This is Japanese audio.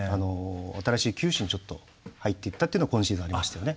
新しい球種にちょっと入っていったっていうのが今シーズンありましたよね。